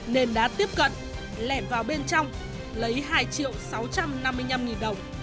nên đã tiếp cận lẻn vào bên trong lấy hai triệu sáu trăm năm mươi năm nghìn đồng